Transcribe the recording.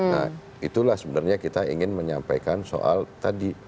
nah itulah sebenarnya kita ingin menyampaikan soal tadi